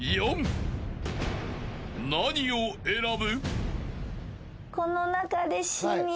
［何を選ぶ？］